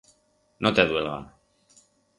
No te duelga.